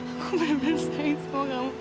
aku benar benar sayang sama kamu